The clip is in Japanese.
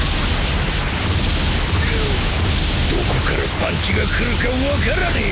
どこからパンチが来るか分からねえ！